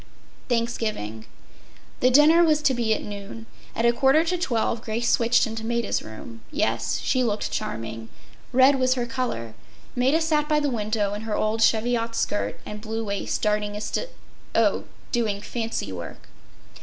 ” Thanksgiving. The dinner was to be at noon. At a quarter to twelve Grace switched into Maida’s room. Yes, she looked charming. Red was her color. Maida sat by the window in her old cheviot skirt and blue waist darning a st—. Oh, doing fancy work.